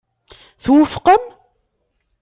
Twufqem?